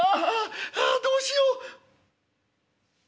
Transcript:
ああどうしよう。